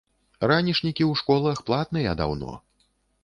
Ранішнікі ў школах платныя даўно.